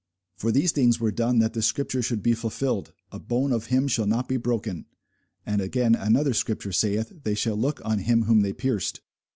For these things were done, that the scripture should be fulfilled, A bone of him shall not be broken. And again another scripture saith, They shall look on him whom they pierced.